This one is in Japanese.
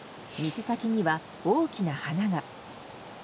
店先には、大きな花が。